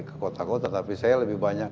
ke kota kota tapi saya lebih banyak